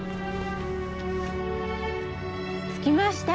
着きました！